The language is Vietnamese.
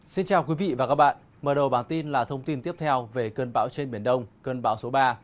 xin chào quý vị và các bạn mở đầu bản tin là thông tin tiếp theo về cơn bão trên biển đông cơn bão số ba